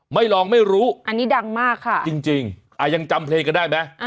ไม่ลองไม่รู้อันนี้ดังมากค่ะจริงยังจำเพลงกันได้ไหม